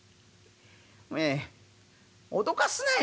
お前脅かすなよ